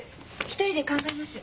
一人で考えます。